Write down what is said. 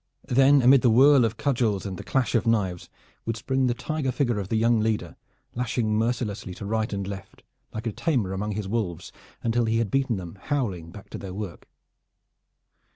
Then amid the whirl of cudgels and the clash of knives would spring the tiger figure of the young leader, lashing mercilessly to right and left like a tamer among his wolves, until he had beaten them howling back to their work.